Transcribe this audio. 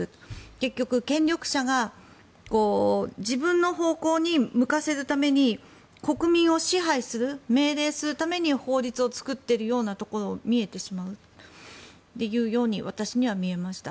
結局、権力者が自分の方向に向かせるために国民を支配する、命令するために法律を作っているようなところが見えてしまうというように私には見えました。